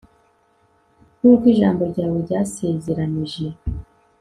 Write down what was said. nk uko ijambo ryawe ryasezeranije